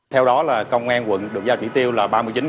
theo đó là công an quận được giao chỉ tiêu là ba mươi chín